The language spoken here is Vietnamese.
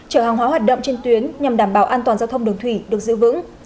chở hàng hóa hoạt động trên tuyến nhằm đảm bảo an toàn giao thông đường thủy được giữ vững